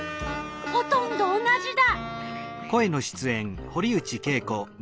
ほとんど同じだ。